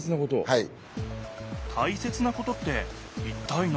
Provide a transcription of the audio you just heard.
はい。